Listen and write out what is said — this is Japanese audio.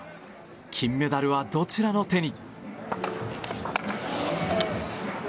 金メダルはどちらの手に。